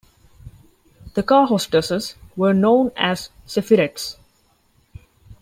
The car hostesses were known as Zephyrettes.